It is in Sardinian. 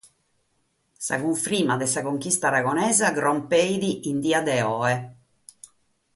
Sa cunfirma de sa conchista aragonesa crompeit in die de oe.